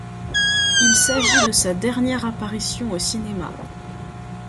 Il s'agit de sa dernière apparition au cinéma.